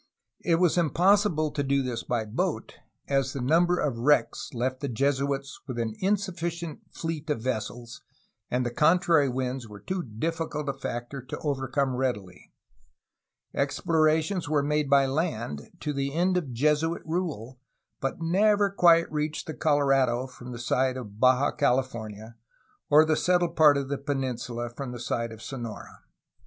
It was impossible to do this by boat, as the number of wi^ecks left the Jesuits with an insufficient fleet of vessels and the con trary winds were too difficult a factor to overcome readily. Explorations were made by land, to the end of Jesuit rule, but never quite reached the Colorado from the side of Baja California or the settled part of the peninsula from the side of Sonora.